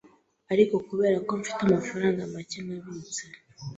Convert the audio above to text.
ariko kubera ko mfite amafaranga make nabitse,